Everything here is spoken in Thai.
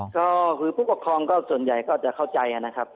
ก็คือผู้ปกครองก็ส่วนใหญ่ก็จะเข้าใจนะครับ